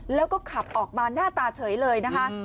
แล้วก็ขับออกมาหน้าตาเฉยเลยนะคะ